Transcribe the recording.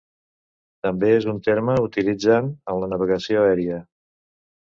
També és un terme utilitzant en la navegació aèria.